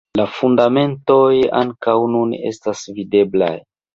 La fundamentoj ankaŭ nun estas videblaj.